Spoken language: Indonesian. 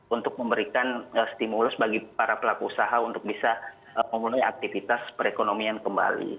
untuk memberikan stimulus bagi para pelaku usaha untuk bisa memenuhi aktivitas perekonomian kembali